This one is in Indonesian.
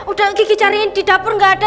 udah kiki cariin di dapur gak ada